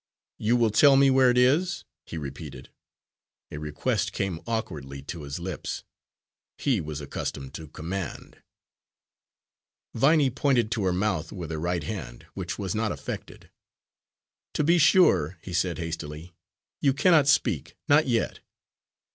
"You will tell me where it is?" he repeated. A request came awkwardly to his lips; he was accustomed to command. Viney pointed to her mouth with her right hand, which was not affected. "To be sure," he said hastily, "you cannot speak not yet."